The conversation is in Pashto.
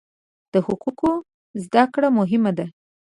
د حقوقو زده کړه مهمه ده.